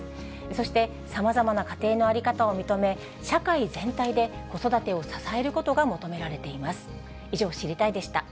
そして、さまざまな家庭の在り方を認め、社会全体で子育てを支えることが求められています。